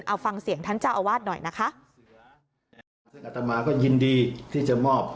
เอาฟังเสียงท่านเจ้าอาวาสหน่อยนะคะซึ่งอัตมาก็ยินดีที่จะมอบ